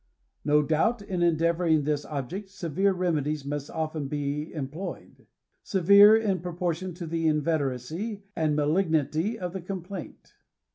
No doubt, in endeavoring this object, severe remedies must often be employed ; severe in proportion to the inveteracy and malignity of the complaint.